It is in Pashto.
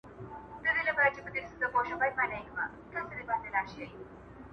د خاوند ماشوم له وېري په ژړا سو!!